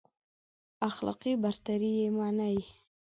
اخلاقي برتري يې مني.